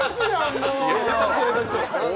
もう。